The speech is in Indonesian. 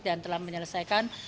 dan telah menyelesaikan